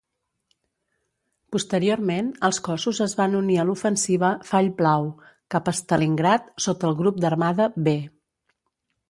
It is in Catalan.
Posteriorment, els cossos es van unir a l"ofensiva "Fall Blau" cap a Stalingrad sota el Grup d"armada B.